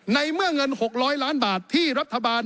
ในเมื่อเงิน๖๐๐ล้านบาทที่รัฐบาล